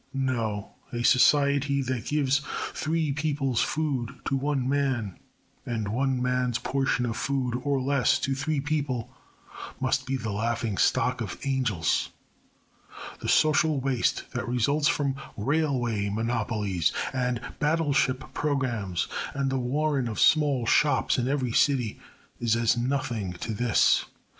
No, a society that gives three people's food to one man and one man's portion of food or less to three people must be the laughing stock of angels. The social waste that results from railway monopolies and battleship programmes and the warren of small shops in every city is as nothing to this.